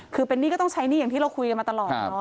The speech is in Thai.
คือเป็นหนี้ก็ต้องใช้หนี้อย่างที่เราคุยกันมาตลอดเนาะ